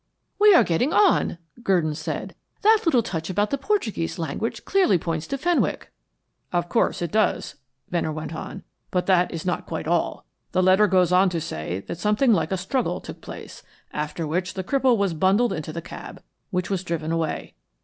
"We are getting on," Gurdon said. "That little touch about the Portuguese language clearly points to Fenwick." "Of course, it does," Venner went on. "But that is not quite all. The letter goes on to say that something like a struggle took place, after which the cripple was bundled into the cab, which was driven away.